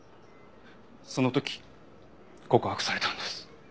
その時告白されたんです。